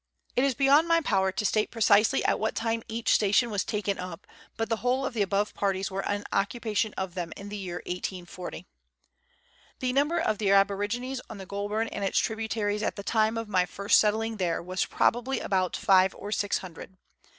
It is beyond my power to state precisely at what time each station was taken up, but the whole of the above parties were in occupation of them in the year 1840. The number of the aborigines on the Goulburn and its tribu taries at the time of my first settling there, was probably about five or six hundred.